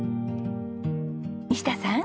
西田さん！